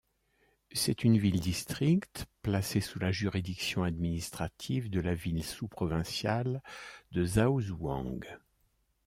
C'est une ville-district placée sous la juridiction administrative de la ville sous-provinciale de Zaozhuang.